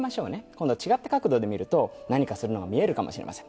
今度は違った角度で見ると何かするのが見えるかもしれません。